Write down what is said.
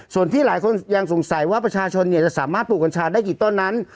ส่วนที่หลายคนยังสงสัยว่าประชาชนจะสามารถปลูกกัญชาได้กี่ต้นนั้น